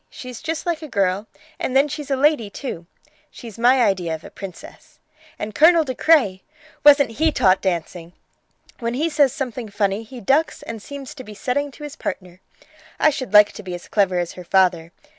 She's just like a girl, and then she's a lady, too. She's my idea of a princess. And Colonel De Craye! Wasn't he taught dancing! When he says something funny he ducks and seems to be setting to his partner. I should like to be as clever as her father.